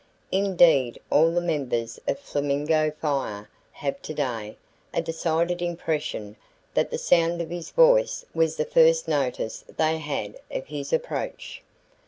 Indeed all the members of Flamingo Fire have today a decided impression that the sound of his voice was the first notice they had of his approach.